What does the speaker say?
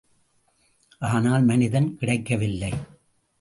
ஆனால் மனிதன் கிடைக்கவில்லை.